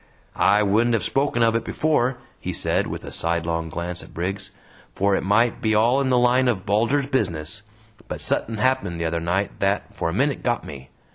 "I wouldn't hev spoken of it before," he said, with a sidelong glance at Briggs, "for it might be all in the line o' Bulger's 'business,' but suthin' happened the other night that, for a minit, got me!